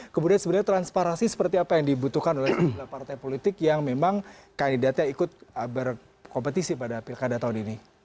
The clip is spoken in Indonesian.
kemudian sebenarnya transparansi seperti apa yang dibutuhkan oleh partai politik yang memang kandidatnya ikut berkompetisi pada pilkada tahun ini